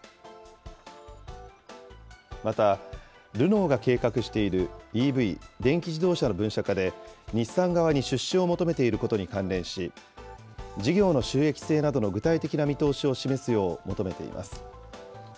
また、ルノーが計画しているＥＶ・電気自動車の分社化で、日産側に出資を求めていることに関連し、事業の収益性などの具体的な見通しを示すよう求めています。